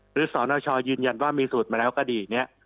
สนชยืนยันว่ามีสูตรมาแล้วก็ดีเนี่ย